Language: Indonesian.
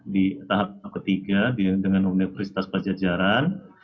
di tahap ketiga dengan universitas pajajaran